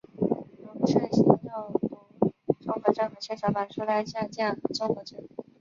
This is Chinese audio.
溶血性尿毒综合征和血小板数量下降综合征。